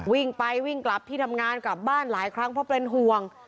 วิ่งไปวิ่งกลับที่ทำงานกลับบ้านหลายครั้งเพราะเป็นห่วง